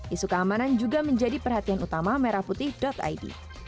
isu keamanan juga menjadi perhatian utama merahputih id